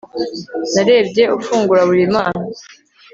narebye ufungura buri mpano